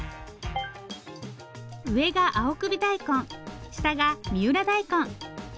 上が青首大根下が三浦大根。